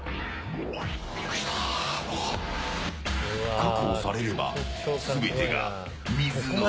確保されれば全てが水の泡だ。